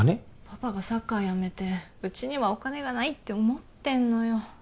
パパがサッカーやめてうちにはお金がないって思ってんのよ